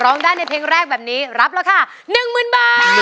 ร้องได้ในเพลงแรกแบบนี้รับราคา๑๐๐๐บาท